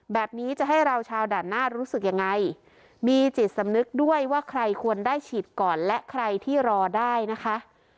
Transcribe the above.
แบบนี้จะให้เราชาวด่านหน้ารู้สึกยังไงมีจิตสำนึกด้วยว่าใครควรได้ฉีดก่อนและใครที่รอได้นะคะ